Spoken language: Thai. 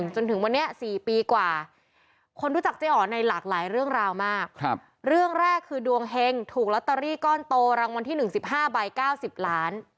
จนถึงวันนี้๔ปีกว่า